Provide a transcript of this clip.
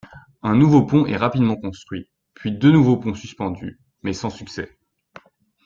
Un nouveau pont est rapidement construit, puis deux nouveaux ponts suspendus, mais sans succès.